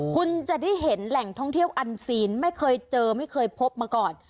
คุณจะได้เห็นแหล่งท่องเที่ยวอันซีนไม่เคยเจอไม่เคยพบมาก่อน